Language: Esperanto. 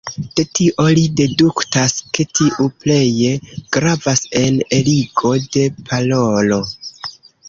De tio li deduktas ke tiu pleje gravas en eligo de parolo.